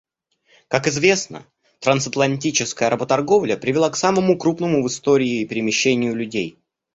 Как известно, трансатлантическая работорговля привела к самому крупному в истории перемещению людей.